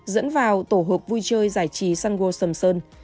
dẫn vào tổ hợp vui chơi giải trí sân gô sầm sơn